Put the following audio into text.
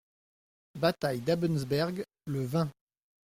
Bataille d'Abensberg, le vingt.